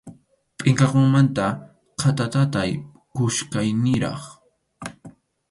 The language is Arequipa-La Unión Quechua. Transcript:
Pʼinqakuymanta khatatataykuchkaniraq.